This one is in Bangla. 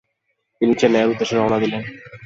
তিনি চেন্নাইয়ের উদ্দেশ্যে রওনা দিলেন।